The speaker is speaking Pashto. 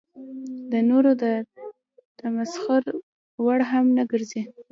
د نورو د تمسخر وړ هم نه ګرځي.